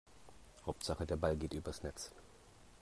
Hauptsache der Ball geht übers Netz.